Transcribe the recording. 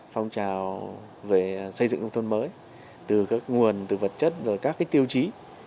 phong trào về xây dựng nông thôn mới từ các nguồn từ vật chất rồi các tiêu chí